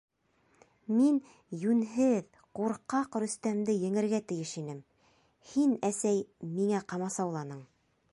— Мин йүнһеҙ, ҡурҡаҡ, Рөстәмде еңергә тейеш инем. һин, әсәй, миңә ҡамасауланың.